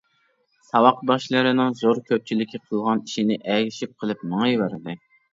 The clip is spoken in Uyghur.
ساۋاقداشلىرىنىڭ زور كۆپچىلىكى قىلغان ئىشنى ئەگىشىپ قىلىپ مېڭىۋەردى.